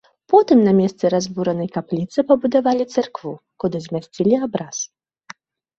Потым на месцы разбуранай капліцы пабудавалі царкву, куды змясцілі абраз.